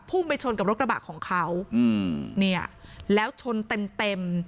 ไปชนกับรถกระบะของเขาอืมเนี่ยแล้วชนเต็มเต็ม